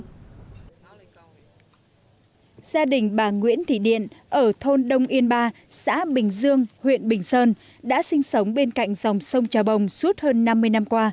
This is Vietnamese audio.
gia đình bà nguyễn thị điện ở thôn đông yên ba xã bình dương huyện bình sơn đã sinh sống bên cạnh dòng sông trà bồng suốt hơn năm mươi năm qua